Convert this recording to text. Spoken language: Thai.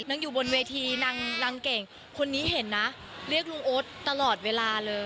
นั่งอยู่บนเวทีนางนางเก่งคนนี้เห็นนะเรียกลุงโอ๊ตตลอดเวลาเลย